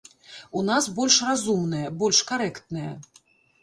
У нас больш разумная, больш карэктная.